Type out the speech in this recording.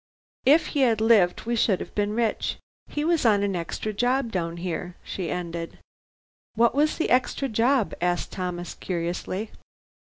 If he had lived, we should have been rich. He was on an extra job down here," she ended. "What was the extra job?" asked Thomas curiously.